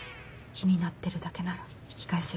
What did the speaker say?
気になってるだけなら引き返せる。